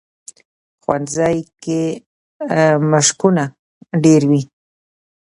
ښوونځی کې مشقونه ډېر وي